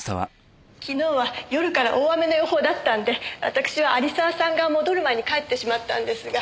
昨日は夜から大雨の予報だったんで私は有沢さんが戻る前に帰ってしまったんですが。